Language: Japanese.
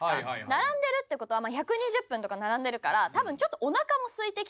並んでるってことは１２０分とか並んでるから多分ちょっと。